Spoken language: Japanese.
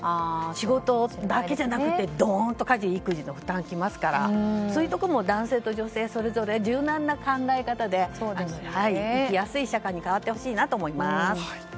仕事だけじゃなくてどんと家事育児の負担が来るので男性と女性、柔軟な考え方で生きやすい社会に変わってほしいなと思います。